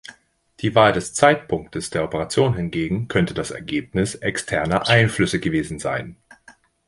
Die Wahl des Zeitpunktes der Operation hingegen könnte das Ergebnis externer Einflüsse gewesen sein.